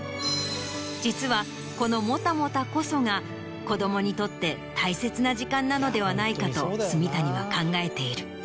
実はこのモタモタこそが子どもにとって大切な時間なのではないかと住谷は考えている。